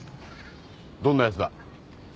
どんなやつだ？